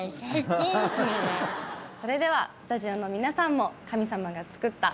それではスタジオの皆さんも神様が作った。